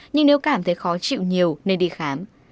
nhưng nếu cảm thấy khó chịu nhiều nên đi khám